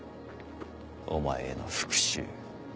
お前への復讐。